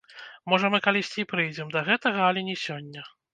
Можа, мы калісьці і прыйдзем да гэтага, але не сёння.